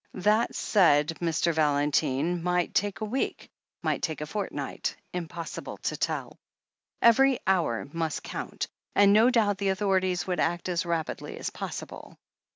That, said Mr. Valentine, might take a week, might take a fortnight — impossible to tell. Every hour must cotmt, and no doubt the authorities would act as rapidly as possible.